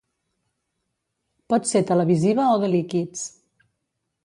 Pot ser televisiva o de líquids.